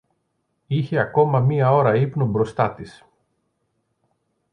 Είχε ακόμα μια ώρα ύπνο μπροστά της